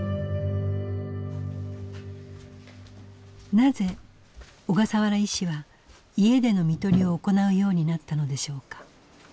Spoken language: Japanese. なぜ小笠原医師は家での看取りを行うようになったのでしょうか。